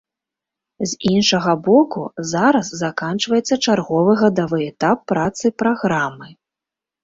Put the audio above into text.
З іншага боку, зараз заканчваецца чарговы гадавы этап працы праграмы.